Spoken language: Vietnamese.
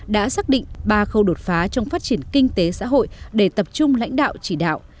đã xác định ba khâu đột phá trong phát triển kinh tế xã hội để tập trung lãnh đạo chỉ đạo